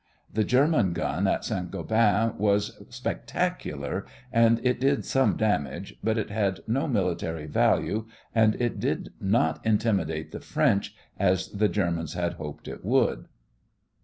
The German gun at St. Gobain was spectacular and it did some damage, but it had no military value and it did not intimidate the French as the Germans had hoped it would.